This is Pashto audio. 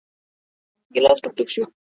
ګیلاس ټوک ، ټوک شو .